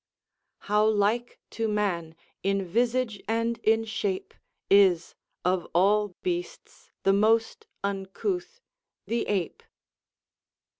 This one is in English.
"How like to man, in visage and in shape, Is, of all beasts the most uncouth, the ape?"